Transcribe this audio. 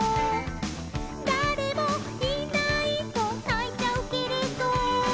「だれもいないとないちゃうけれど」